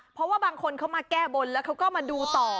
เพราะว่าบางคนเขามาแก้บนแล้วเขาก็มาดูต่อ